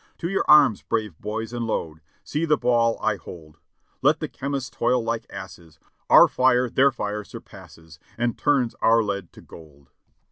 To your arms, brave boys, and load; See the ball I hold. _ Let the chemists toil like asses, Our fire their fire surpasses And turns our lead to gold."